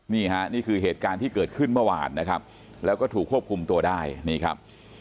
นี่ฮะนี่คือเหตุการณ์ที่เกิดขึ้นเมื่อวานนะครับแล้วก็ถูกควบคุมตัวได้นี่ครับ